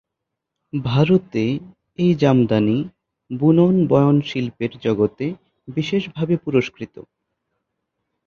ভারতে এই জামদানি বুনন বয়ন শিল্পের জগতে বিশেষ ভাবে পুরস্কৃত।